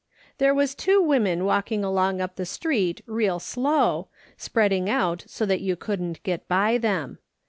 "There was two women walking along up the street real slow, spreading out so tliat you couldn't get by them.